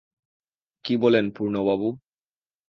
কী বলেন পূর্ণবাবু?